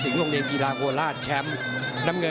พี่น้องอ่ะพี่น้องอ่ะพี่น้องอ่ะ